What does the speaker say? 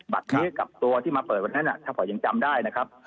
บัตรนี้กับตัวที่มาเปิดวันนั้นถ้าพอยังจำได้นะครับ